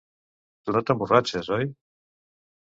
Tu no t'emborratxes, oi?